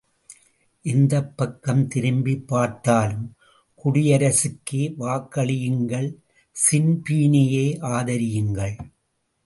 எந்தப் பக்கம் திரும்பிப் பார்த்தாலும், குடியரசுக்கே வாக்களியுங்கள் ஸின்பீனையே ஆதரியுங்கள்!